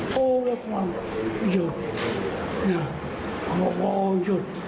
พอโอ้อยหยุด